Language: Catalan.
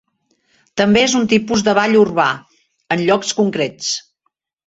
També és un tipus de ball urbà en llocs concrets.